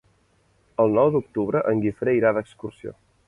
El nou d'octubre en Guifré irà d'excursió.